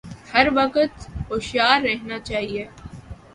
ہر وقت ہوشیار رہنا چاہیے